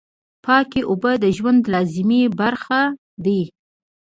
پاکې اوبه د ژوند لازمي برخه دي.